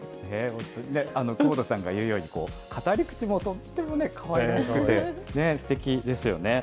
久保田さんが言うように、語り口もとってもかわいらしくて、すてきですよね。